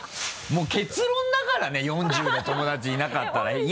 もう結論だからね４０で友達いなかったら。